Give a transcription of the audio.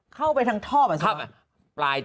เข้าไปทางท่อปัสสาวะ